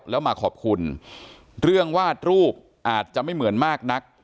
แล้วมาขอบคุณเรื่องวาดรูปอาจจะไม่เหมือนมากนัก